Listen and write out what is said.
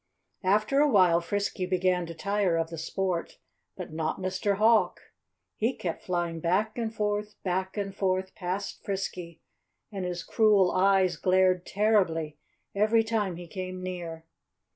After a while Frisky began to tire of the sport. But not Mr. Hawk! He kept flying back and forth, back and forth, past Frisky. And his cruel eyes glared terribly every time he came near.